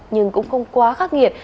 nhưng cũng không quá khắc nghiệt